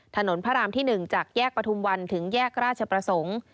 ถนนพระรามที่๑จากแยกปฐุมวันถึงแยกราชประสงค์